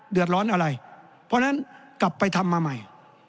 เดือดร้อนอะไรเพราะฉะนั้นกลับไปทำมาใหม่